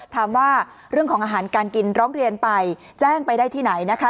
ถามว่าเรื่องของอาหารการกินร้องเรียนไปแจ้งไปได้ที่ไหนนะคะ